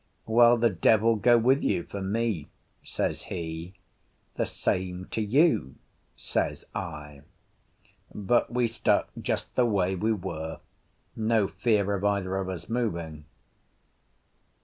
"Well, the devil go with you for me," says he. "The same to you," says I. But we stuck just the way we were; no fear of either of us moving.